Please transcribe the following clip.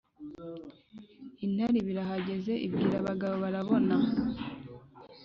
intare iba irahageze; ibwira bagabobarabona